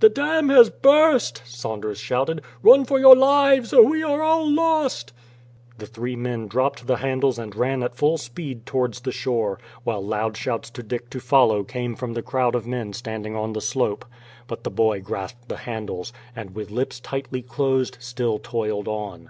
"The dam has burst!" Saunders shouted. "Run for your lives, or we are all lost!" The three men dropped the handles and ran at full speed towards the shore, while loud shouts to Dick to follow came from the crowd of men standing on the slope. But the boy grasped the handles, and with lips tightly closed, still toiled on.